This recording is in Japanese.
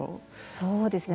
そうですね。